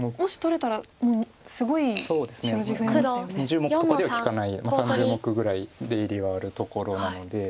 ２０目とかでは利かない３０目ぐらい出入りはあるところなので。